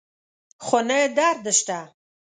خو نه درد شته